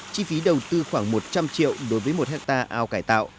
chi phí đầu tư khoảng một trăm linh triệu đối với một hectare ao cải tạo